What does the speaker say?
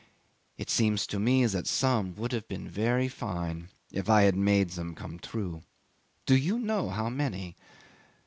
"It seems to me that some would have been very fine if I had made them come true. Do you know how many?